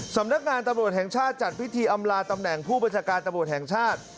สำนักงานตำรวจแห่งชาติจัดพิธีอำลาตำแหน่งผู้บัญชาการตำรวจแห่งชาติ